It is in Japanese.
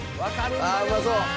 ああうまそう。